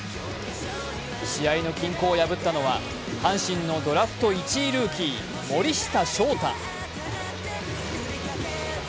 試合の均衡を破ったのは阪神のドラフト１位ルーキー、森下翔太。